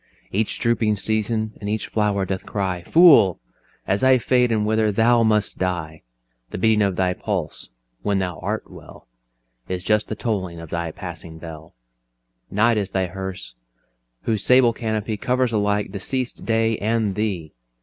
Each drooping season and each flower doth cry, "Fool! as I fade and wither, thou must die. "The beating of thy pulse (when thou art well) Is just the tolling of thy Passing Bell: Night is thy Hearse, whose sable Canopy Covers alike deceased day and thee.